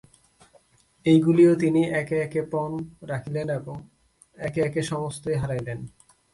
এইগুলিও তিনি একে একে পণ রাখিলেন এবং একে একে সমস্তই হারাইলেন।